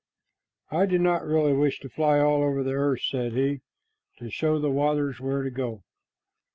"I do not really wish to fly all over the earth," said he, "to show the waters where to go."